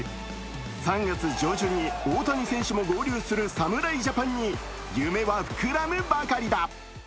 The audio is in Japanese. ３月上旬に大谷選手も合流する侍ジャパンに夢は膨らむばかりだ。